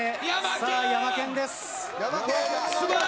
さあ、ヤマケンです。